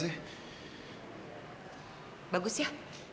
pasal bagus ya